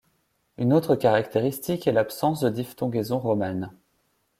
Une autre caractéristique est l’absence de diphtongaison romane.